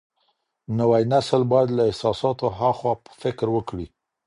نوی نسل بايد له احساساتو هاخوا فکر وکړي.